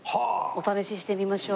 お試ししてみましょう。